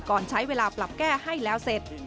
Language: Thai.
ก่อนใช้เวลาปรับแก้ให้แล้วเสร็จ